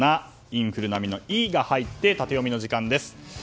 インフル並みの「イ」が入ってタテヨミの時間です。